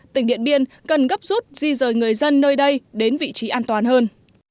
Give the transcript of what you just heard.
tỉnh điện biên cần gấp rút di rời người dân nơi đây đến vị trí an toàn hơn